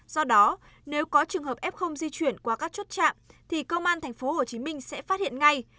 do đó nếu có trường hợp f di chuyển qua các chốt chạm thì công an tp hcm sẽ phát hiện ngay